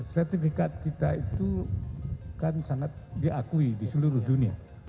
sertifikat kita itu kan sangat diakui di seluruh dunia